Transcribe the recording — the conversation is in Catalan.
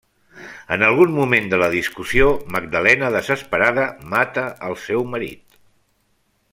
En algun moment de la discussió, Magdalena, desesperada, mata al seu marit.